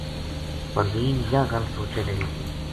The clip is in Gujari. پروین یاہ گل سوچے لگی تھی